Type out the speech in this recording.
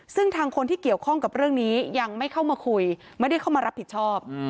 ซึ่งทางคนที่เกี่ยวข้องกับเรื่องนี้ยังไม่เข้ามาคุยไม่ได้เข้ามารับผิดชอบ